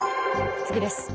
次です。